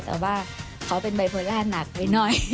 แต่ว่าเขาเป็นบ่ะเฟิลโรหะหนักนิดหน่อย